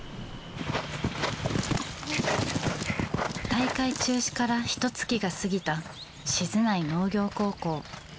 大会中止からひと月が過ぎた静内農業高校。